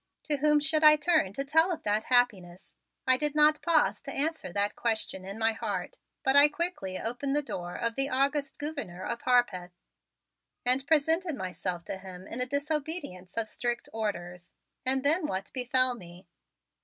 To whom should I turn to tell of that happiness? I did not pause to answer that question in my heart but I quickly opened the door of the august Gouverneur of Harpeth and presented myself to him in a disobedience of strict orders. And then what befell me?